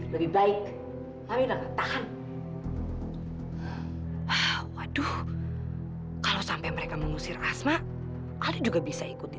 lebih baik tapi udah nggak tahan waduh kalau sampai mereka mengusir asma alda juga bisa ikuti